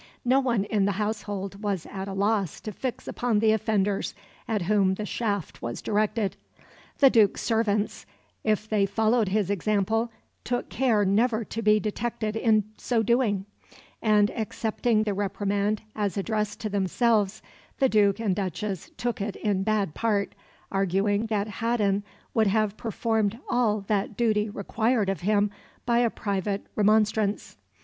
No one in the household was at a loss to fix upon the offenders at whom the shaft was directed. The Duke's servants, if they followed his example, took care never to be detected in so doing; and, accepting the reprimand as addressed to themselves, the Duke and Duchess took it in bad part, arguing that Haddon would have performed all that duty required of him by a private remonstrance.